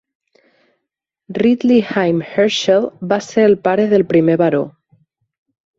Ridley Haim Herschell va ser el pare del primer baró.